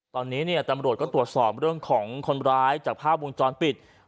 ตอนนี้เนี่ยตำรวจก็ตรวจสอบเรื่องของคนร้ายจากภาพวงจรปิด